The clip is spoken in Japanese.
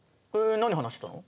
何話してたの？